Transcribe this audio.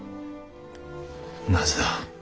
なぜだ？